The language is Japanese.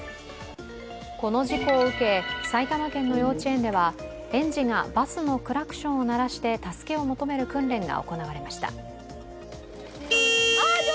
この事故を受け、埼玉県の幼稚園では園児がバスのクラクションを鳴らして助けを求める訓練が行われました。